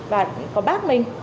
và có bác mình